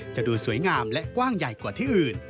จะดูสวยงามและกว้างใหญ่กว่าที่อื่น